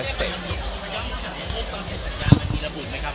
คุณต้องขอบคุณครับ